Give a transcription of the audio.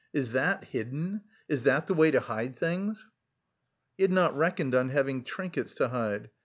Is that hidden? Is that the way to hide things?" He had not reckoned on having trinkets to hide.